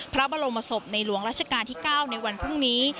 พระบรมศพในหลวงราชการที่๙ในวันพรุ่งนี้